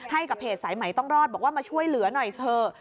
ให้กับเพจสายใหม่ต้องรอดบอกว่ามาช่วยเหลือหน่อยเถอะ